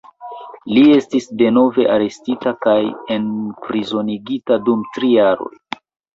Li estis denove arestita kaj enprizonigita dum tri jaroj.